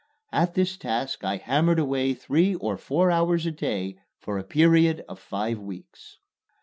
At this task I hammered away three or four hours a day for a period of five weeks.